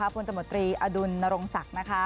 พกอดุลนรงศักดิ์นะคะ